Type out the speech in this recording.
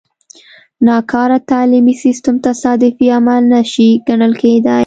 ناکاره تعلیمي سیستم تصادفي عمل نه شي ګڼل کېدای.